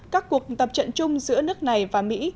các cuộc tập trận chung giữa nước này và mỹ